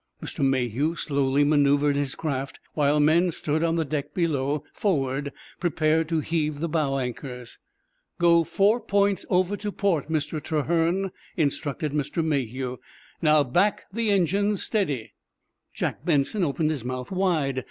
Mr. Mayhew slowly manœuvred his craft, while men stood on the deck below, forward, prepared to heave the bow anchors. "Go four points over to port, Mr. Trahern," instructed Mr. Mayhew. "Now, back the engines—steady!" Jack Benson opened his mouth wide.